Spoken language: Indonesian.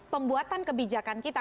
pembuatan kebijakan kita